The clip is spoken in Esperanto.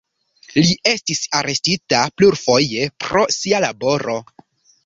Li estis arestita plurfoje pro sia laboro.